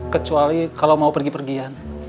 kecuali kalau mau pergi pergian